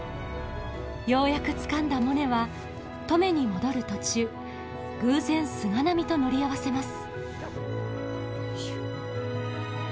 ようやくつかんだモネは登米に戻る途中偶然菅波と乗り合わせます。